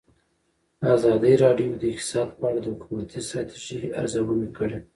ازادي راډیو د اقتصاد په اړه د حکومتي ستراتیژۍ ارزونه کړې.